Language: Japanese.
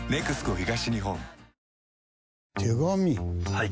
はい。